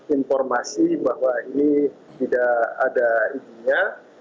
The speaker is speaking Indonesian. informasi bahwa ini tidak ada isinya